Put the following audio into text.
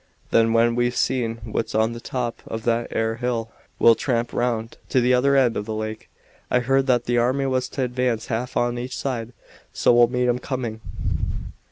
Then, when we've seen what's on the top of that 'ere hill, we'll tramp round to the other end of the lake. I heard that the army was to advance half on each side, so we'll meet 'em coming."